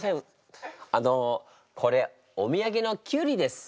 あのこれお土産のきゅうりです。